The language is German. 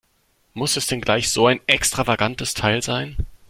Muss es denn gleich so ein extravagantes Teil sein?